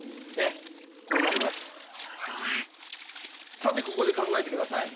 さてここで考えて下さい。